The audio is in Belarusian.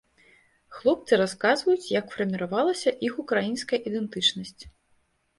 Хлопцы расказваюць, як фарміравалася іх украінская ідэнтычнасць.